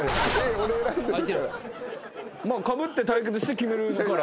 かぶって対決して決めるから。